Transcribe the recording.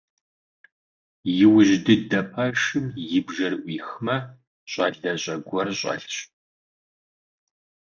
Иужь дыдэ пэшым и бжэр Ӏуихмэ, щӀалэщӀэ гуэр щӀэлъщ.